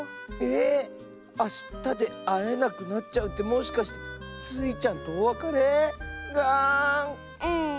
えっ⁉あしたであえなくなっちゃうってもしかしてスイちゃんとおわかれ⁉がん！